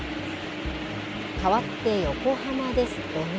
かわって横浜です。